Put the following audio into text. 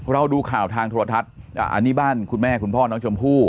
ดูข่าวทางโทรทัศน์อันนี้บ้านคุณแม่คุณพ่อน้องชมพู่